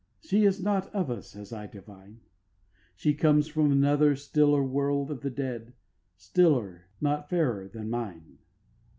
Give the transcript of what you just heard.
She is not of us, as I divine; She comes from another stiller world of the dead, Stiller, not fairer than mine.